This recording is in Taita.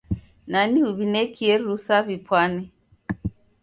Nani uw'inekie rusa w'ipwane?